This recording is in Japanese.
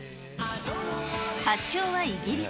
発祥はイギリス。